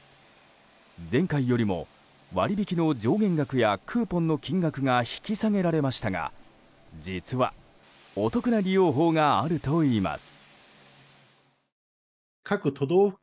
前回よりも割引の上限額やクーポンの金額が引き下げられましたが実は、お得な利用法があるといいます。